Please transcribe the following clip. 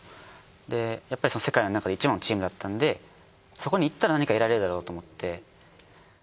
でやっぱり世界の中でいちばんのチームだったんでそこに行ったら何か得られるだろうと思って。